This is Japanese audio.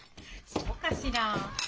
そうかしら？